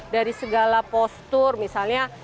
dari segala postur misalnya